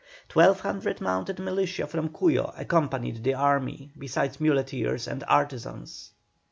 Twelve hundred mounted militia from Cuyo accompanied the army, besides muleteers and artisans.